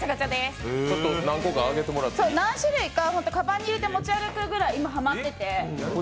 何種類かかばんに入れて持ち歩くぐらい、今ハマってて。